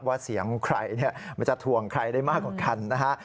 ว่าเสียงใครเนี่ยมันจะถวงใครได้มากกว่ากันนะฮะ